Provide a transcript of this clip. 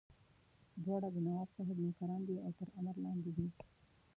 دواړه د نواب صاحب نوکران دي او تر امر لاندې دي.